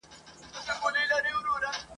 ډکي پیمانې مي تشولې اوس یې نه لرم !.